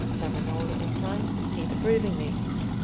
Savonarola inclined his head approvingly.